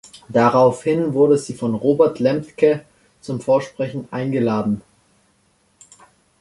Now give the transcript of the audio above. Daraufhin wurde sie von Robert Lembke zum Vorsprechen eingeladen.